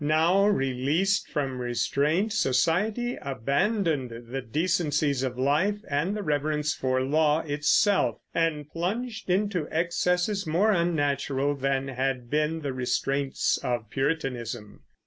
Now, released from restraint, society abandoned the decencies of life and the reverence for law itself, and plunged into excesses more unnatural than had been the restraints of Puritanism.